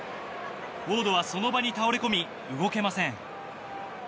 ウォードはその場に倒れ込み動けません。